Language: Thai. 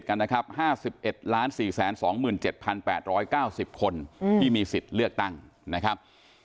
๘๙๐คนที่มีสิทธิ์เลือกตั้งนะครับ